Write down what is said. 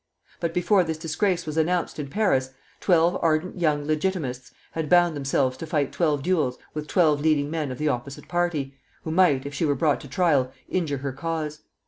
But before this disgrace was announced in Paris, twelve ardent young Legitimists had bound themselves to fight twelve duels with twelve leading men of the opposite party, who might, if she were brought to trial, injure her cause.